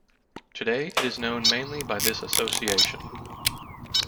Today it is known mainly by this association.